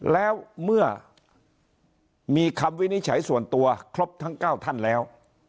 แล้วเมื่อมีคำวินิจฉัยส่วนตัวครบทั้ง๙ท่านแล้ว